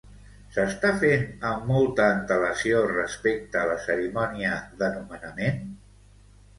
S'està fent amb molta antelació respecte a la cerimònia de nomenament?